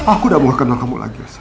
aku sudah mau kenal kamu lagi elsa